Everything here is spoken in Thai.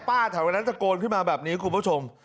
ป้าถามอันนั้นตะโกนขึ้นมาแบบนี้คุณผู้ชม